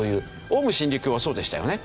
オウム真理教はそうでしたよね。